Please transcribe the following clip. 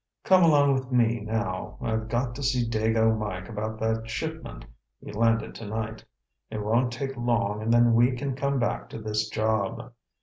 Come along with me, now. I've got to see Dago Mike about that shipment he landed tonight. It won't take long and then we can come back to this job.